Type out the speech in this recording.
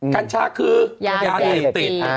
กัญชาคือยาเหตุรี